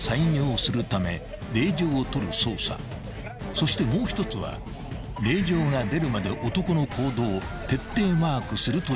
［そしてもう一つは令状が出るまで男の行動を徹底マークするという捜査だ］